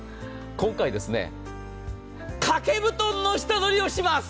今回は、掛け布団の下取りをします。